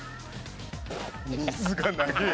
水が長え。